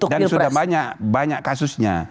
dan sudah banyak kasusnya